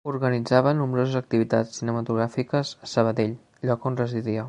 Organitzava nombroses activitats cinematogràfiques a Sabadell, lloc on residia.